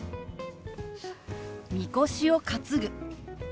「みこしを担ぐ」。